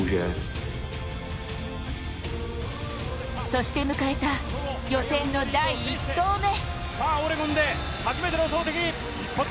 そして迎えた予選の第１投目。